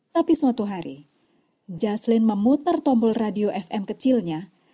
tapi suatu hari jaseline memutar tombol radio fm kecilnya